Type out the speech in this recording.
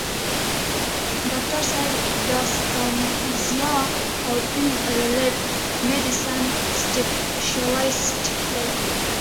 ډاکټر صېب دانستهزيا او پين ريليف ميډيسن سپيشلسټ دے ۔